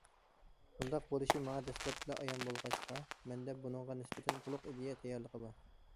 بۇنداق بولۇشى ماڭا دەسلەپتىلا ئايان بولغاچقا، مەندە بۇنىڭغا نىسبەتەن تولۇق ئىدىيە تەييارلىقى بار.